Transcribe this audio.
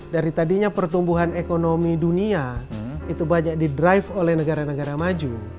dari tadinya pertumbuhan ekonomi dunia itu banyak di drive oleh negara negara maju